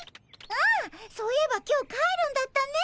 ああそういえば今日帰るんだったね。